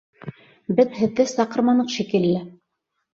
Беҙ һеҙҙе саҡырманыҡ шикелле!..